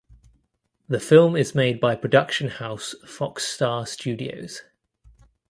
The film is made by production house Fox Star Studios.